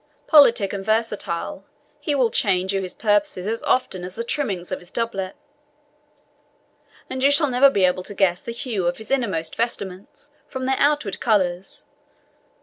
Politic and versatile, he will change you his purposes as often as the trimmings of his doublet, and you shall never be able to guess the hue of his inmost vestments from their outward colours.